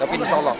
tapi insya allah